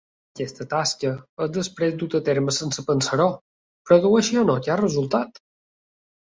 Aquesta tasca és després duta a terme sense pensar-ho, produeixi o no cap resultat.